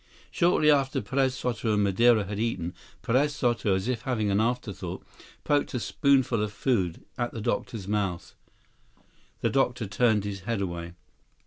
Shortly after Perez Soto and Madeira had eaten, Perez Soto, as if having an afterthought, poked a spoonful of food at the doctor's mouth. The doctor turned his head away.